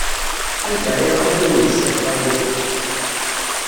Anda ara iruḥ yiwen deg ssexṭ-ayi!